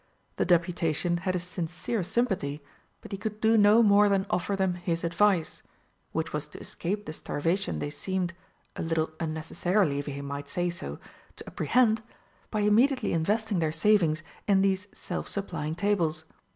The deputation had his sincere sympathy, but he could do no more than offer them his advice, which was to escape the starvation they seemed a little unnecessarily, if he might say so to apprehend by immediately investing their savings in these self supplying tables.